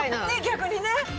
逆にね！